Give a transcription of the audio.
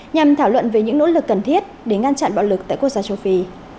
nhằm thảo luận về những nỗ lực cần thiết để ngăn chặn bạo lực tại quốc gia châu phi